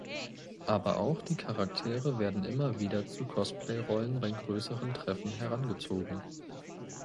Aber auch die Charaktere werden immer wieder zu Cosplay-Rollen bei größeren Treffen herangezogen.